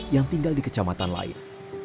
yang tinggal di kecamatan lain